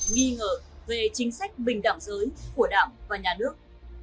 nghi ngờ về chính sách bình đẳng giới của đảng và nhà nước